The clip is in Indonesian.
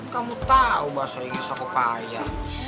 kamu tau bahasa inggris aku bahaya